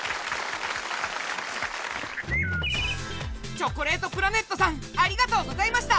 チョコレートプラネットさんありがとうございました！